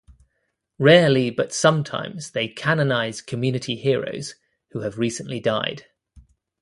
Rarely but sometimes they canonize community heroes who have recently died.